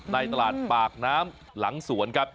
ในตลาดปากน้ำหลังสวนครับ